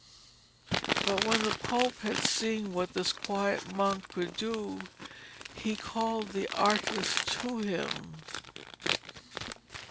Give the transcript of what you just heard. But when the Pope had seen what this quiet monk could do, he called the artist to him.